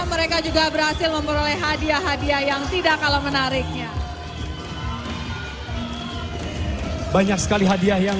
mereka juga berhasil memperoleh hadiah hadiah yang tidak kalah menariknya banyak sekali hadiah yang